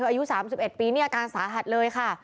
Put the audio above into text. อายุ๓๑ปีการสาหัดเลยค่ะ